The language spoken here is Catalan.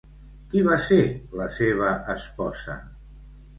Qui va ser la seva esposa?